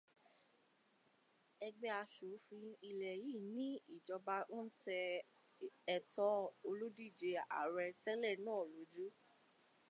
Ẹgbẹ́ aṣòfin ilẹ̀ yìí ní ìjọba ń tẹ ẹ̀tọ́ olùdíje ààrẹ́ tẹ́lẹ́ náà lóju